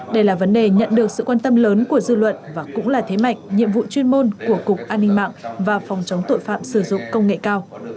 đây là vấn đề nhận được sự quan tâm lớn của dư luận và cũng là thế mạnh nhiệm vụ chuyên môn của cục an ninh mạng và phòng chống tội phạm sử dụng công nghệ cao